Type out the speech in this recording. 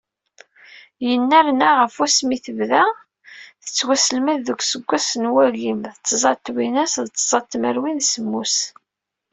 Yennerna, ɣef wasmi tebda tettwaselmed deg useggas, n wagim d tẓa twinas d tẓa tmerwin d semmus.